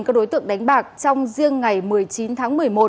các đối tượng đánh bạc trong riêng ngày một mươi chín tháng một mươi một